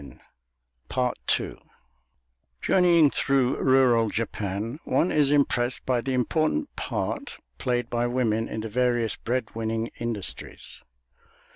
[*242] Journeying through rural Japan, one is impressed by the important part played by women in the various bread winning industries.